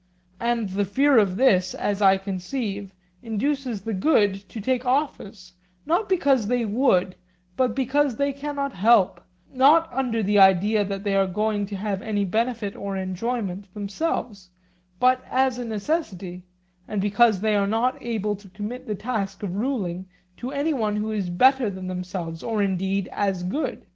And the fear of this, as I conceive, induces the good to take office, not because they would, but because they cannot help—not under the idea that they are going to have any benefit or enjoyment themselves, but as a necessity, and because they are not able to commit the task of ruling to any one who is better than themselves, or indeed as good.